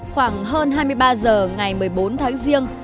khoảng hơn hai mươi ba h ngày một mươi bốn tháng riêng